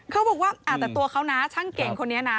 เขาบอกว่าแต่ตัวเขานะช่างเก่งคนนี้นะ